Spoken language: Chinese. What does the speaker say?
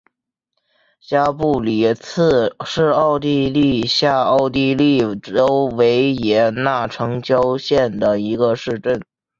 加布里茨是奥地利下奥地利州维也纳城郊县的一个市镇。